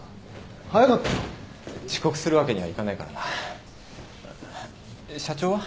早かったな。遅刻するわけにはいかないからな。社長は？